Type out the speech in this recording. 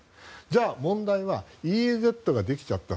じゃあ、問題はＥＥＺができちゃった。